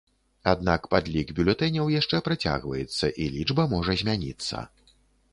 Аднак падлік бюлетэняў яшчэ працягваецца і лічба можа змяніцца.